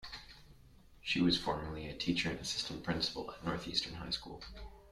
She was formerly a teacher and assistant principal at Northeastern High School.